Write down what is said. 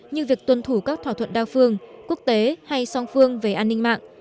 như việc tuân thủ các thỏa thuận đa phương quốc tế hay song phương về an ninh mạng